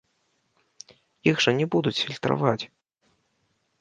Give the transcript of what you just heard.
Іх жа не будуць фільтраваць!